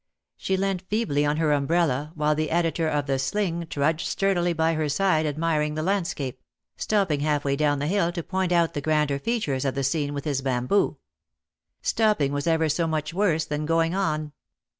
She leant feebly on her umbrella, while the editor of the Sli7ig trudged sturdily by her side admiring the landscape — stopping half way down the hill to point out the grander features of the scene with his bamboo. Stopping was ever so much worse than going on.